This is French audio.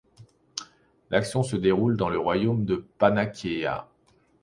L'action se déroule dans le royaume de Panakeia.